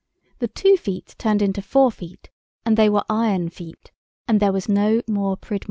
The two feet turned into four feet, and they were iron feet, and there was no more Pridmore.